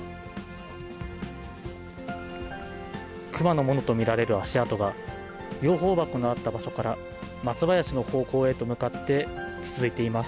熊のものと見られる足跡が、養蜂箱のあった場所から松林の方向へと向かって続いています。